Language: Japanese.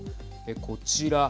こちら。